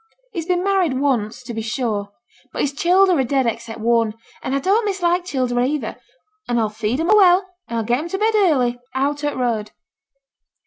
He's been married once, to be sure; but his childer are dead a' 'cept one; an' I don't mislike childer either; an' a'll feed 'em well, an' get 'em to bed early, out o' t' road.'